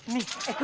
no enggak enggak